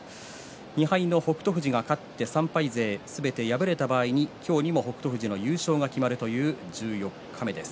２敗の北勝富士が勝って３敗勢がすべて敗れた場合は今日にも優勝が決まるという十四日目です。